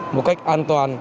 một cách an toàn